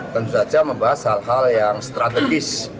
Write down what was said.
tentu saja membahas hal hal yang strategis